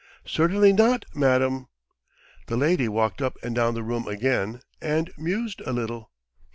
"Certainly not, madam." The lady walked up and down the room again and mused a little.